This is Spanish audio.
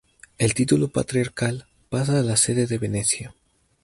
El título patriarcal pasa a la sede de Venecia.